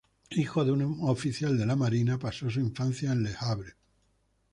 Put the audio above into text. Hijo de un oficial de la marina, pasó su infancia en Le Havre.